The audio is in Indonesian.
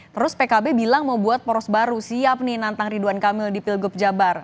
terus pkb bilang mau buat poros baru siap nih nantang ridwan kamil di pilgub jabar